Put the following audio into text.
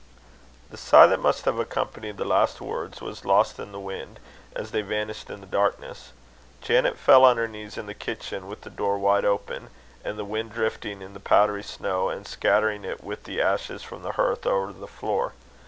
The sigh that must have accompanied the last words, was lost in the wind, as they vanished in the darkness. Janet fell on her knees in the kitchen, with the door wide open, and the wind drifting in the powdery snow, and scattering it with the ashes from the hearth over the floor.